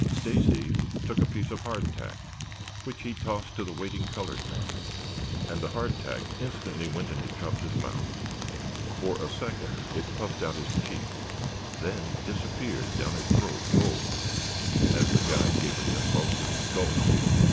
Stacy took a piece of hardtack which he tossed to the waiting colored man, and the hardtack instantly went into Chops's mouth. For a second it puffed out his cheek, then disappeared down his throat whole, as the guide gave a convulsive gulp.